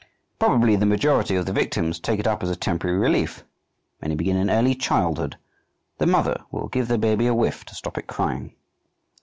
Probably the majority of the victims take it up as a temporary relief; many begin in early childhood; the mother will give the baby a whiff to stop its crying.